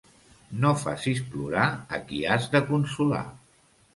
No facis plorar a qui has de consolar.